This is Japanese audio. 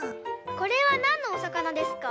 これはなんのおさかなですか？